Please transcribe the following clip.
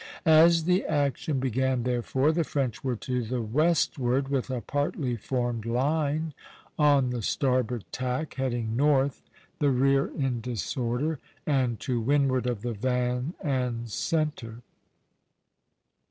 As the action began, therefore, the French were to the westward with a partly formed line, on the starboard tack, heading north, the rear in disorder, and to windward of the van and centre (Plate X.